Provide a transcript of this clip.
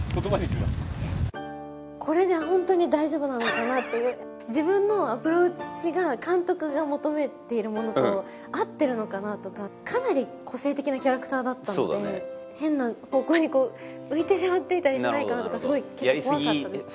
これでホントに大丈夫なのかなっていう自分のアプローチが監督が求めているものと合ってるのかなとかかなり個性的なキャラクターだったので変な方向に浮いてしまっていたりしないかなとかすごい怖かったです